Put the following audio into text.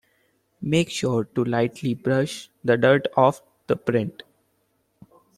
Make sure to lightly brush the dirt off of the print.